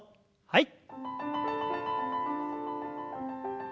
はい。